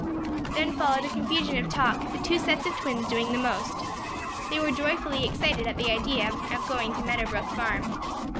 Then followed a confusion of talk, the two sets of twins doing the most. They were joyfully excited at the idea of going to Meadow Brook farm.